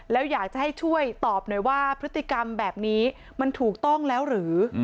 แล้วอยากจะให้ช่วยตอบหน่อยว่าพฤติกรรมแบบนี้มันถูกต้องแล้วหรือ